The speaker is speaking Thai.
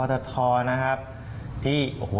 ใช่ค่ะ